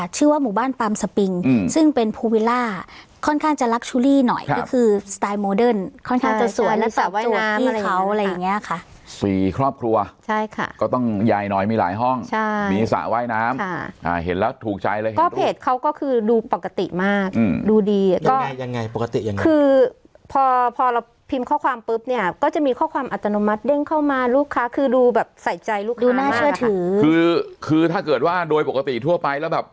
ชื่อว่าหมู่บ้านปาล์มสปิงซึ่งเป็นภูวิลาค่อนข้างจะลักชูลี่หน่อยก็คือสไตล์โมเดิร์นค่อนข้างจะสวยแล้วต่อจวดพี่เขาอะไรอย่างเงี้ยค่ะสี่ครอบครัวใช่ค่ะก็ต้องยายน้อยมีหลายห้องใช่มีสระว่ายน้ำค่ะอ่าเห็นแล้วถูกใจเลยก็เพจเขาก็คือดูปกติมากอืมดูดีก็ยังไงยังไงปกติยังไงคือพอพอเราพิม